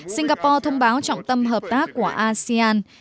singapore thông báo trọng tâm hợp tác của asean